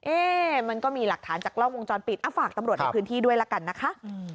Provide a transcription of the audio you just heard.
มันก็มีหลักฐานจากกล้องวงจรปิดฝากตำรวจในพื้นที่ด้วยละกันนะคะ